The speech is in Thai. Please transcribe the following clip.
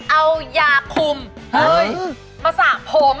เอายาคุมมาสระผม